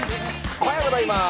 おはようございます。